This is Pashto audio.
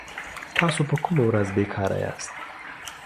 تاسو په کومه ورځ بي کاره ياست